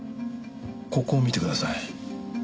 ここを見てください。